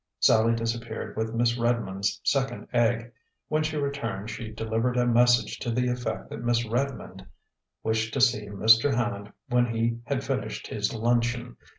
Sallie disappeared with Miss Redmond's second egg. When she returned, she delivered a message to the effect that Miss Redmond wished to see Mr. Hand when he had finished his luncheon.